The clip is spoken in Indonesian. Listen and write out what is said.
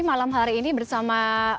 malam hari ini bersama